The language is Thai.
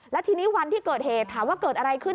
แล้วทีนี้วันที่เกิดเหตุถามว่าเกิดอะไรขึ้น